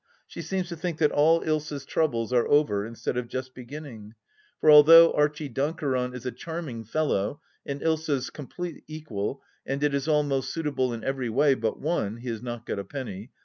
She seems to think that all Usa's troubles are over instead of just beginning. For although Archie Dimkeron is a charming fellow and Usa's complete equal, and it is all most suitable in every way — ^but one, he has not got a penny.